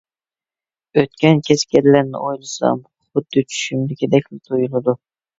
ئۆتكەن - كەچكەنلەرنى ئويلىسام، خۇددى چۈشۈمدىكىدەكلا تۇيۇلىدۇ.